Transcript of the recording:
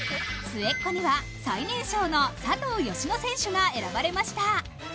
末っ子には最年少の佐藤淑乃選手が選ばれました。